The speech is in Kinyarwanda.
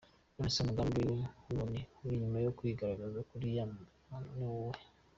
Nonese umugambi wundi urinyuma yo kwigaragaza kuriya kuntu ni uwuhe?.